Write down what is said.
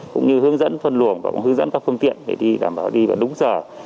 cũng như hướng dẫn phân luồng và cũng hướng dẫn các phương tiện để đi đảm bảo đi và đúng giờ